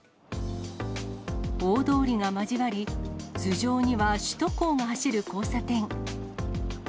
大通りが交わり、頭上には首都高が走る交差点。